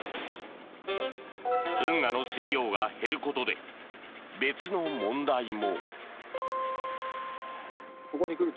運河の水量が減ることで別の問題も。